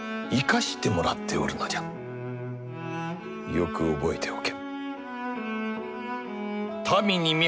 よく覚えておけ。